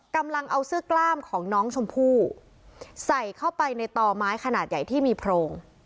กำลังเอาเสื้อกล้ามของน้องชมพู่ใส่เข้าไปในต่อไม้ขนาดใหญ่ที่มีโพรง